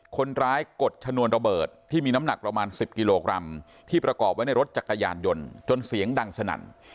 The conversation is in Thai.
กดชนวนระเบิดที่มีน้ำหนักประมาณ๑๐กิโลกรัมที่ประกอบไว้ในรถจักรยานยนต์จนเสียงดังสนั่น